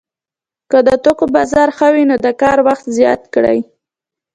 که د توکو بازار ښه وي نو د کار وخت زیات کړي